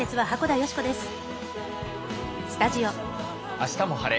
「あしたも晴れ！